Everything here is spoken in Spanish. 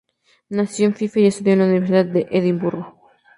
Nació en Fife y estudió en la Universidad de Edimburgo.